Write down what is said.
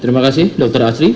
terima kasih dr asri